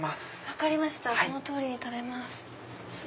分かりましたその通りに食べます。